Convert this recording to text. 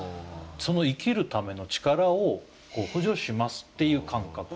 その生きるための力を補助しますっていう感覚。